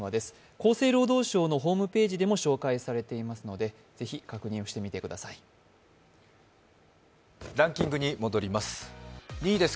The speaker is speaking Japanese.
厚生労働省のホームページでも紹介されていますので、ランキングに戻ります。